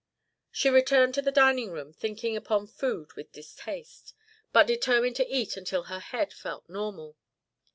She returned to the dining room, thinking upon food with distaste, but determined to eat until her head felt normal.